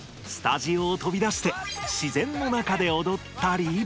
スタジオをとび出して自然の中でおどったり。